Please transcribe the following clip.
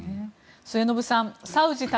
末延さん